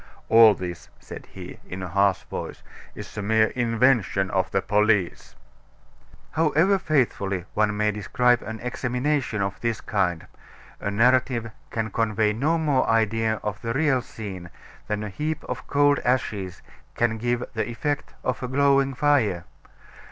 "All this," said he, in a harsh voice, "is a mere invention of the police!" However faithfully one may describe an examination of this kind, a narrative can convey no more idea of the real scene than a heap of cold ashes can give the effect of a glowing fire.